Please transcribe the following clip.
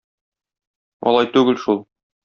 Алай түгел шул.